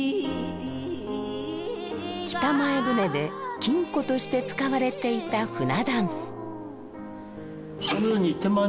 北前船で金庫として使われていた船箪笥。